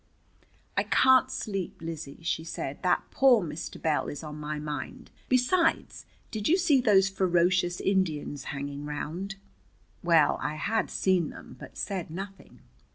"I can't sleep, Lizzie," she said. "That poor Mr. Bell is on my mind. Besides, did you see those ferocious Indians hanging round?" Well, I had seen them, but said nothing.